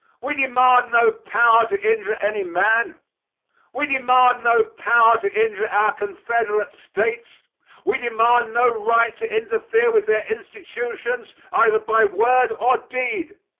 We demand no power to injure any man. We demand no right to injure our confederate States. We demand no right to interfere with their institutions, either by word or deed.